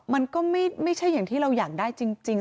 มันก็ไม่ยังที่เราอยากได้จริง